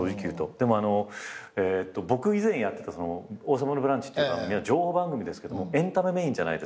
でも僕以前やってた『王様のブランチ』っていう番組は情報番組ですけどもエンタメメインじゃないですか。